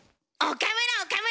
岡村岡村！